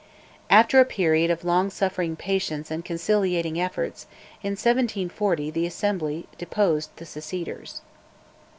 After a period of long suffering patience and conciliatory efforts, in 1740 the Assembly deposed the Seceders.